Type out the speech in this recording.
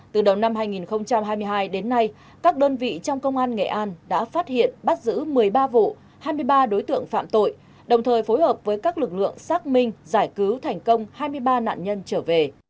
từ đầu năm hai nghìn hai mươi hai đến nay các đơn vị trong công an nghệ an đã phát hiện bắt giữ một mươi ba vụ hai mươi ba đối tượng phạm tội đồng thời phối hợp với các lực lượng xác minh giải cứu thành công hai mươi ba nạn nhân trở về